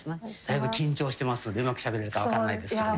だいぶ緊張してますのでうまくしゃべれるか分かんないですけど。